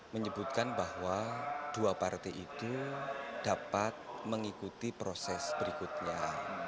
menyebutkan bahwa dua partai itu dapat mengikuti proses berikutnya